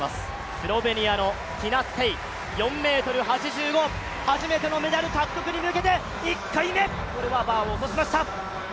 スロベニアのティナ・ステイ、４ｍ８５、初めてのメダル獲得に向けて１回目バーを落としました。